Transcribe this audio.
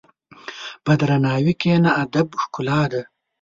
په درناوي کښېنه، ادب ښکلا ده.